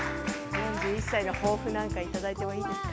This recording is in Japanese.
４１歳の抱負をいただいてよろしいですか？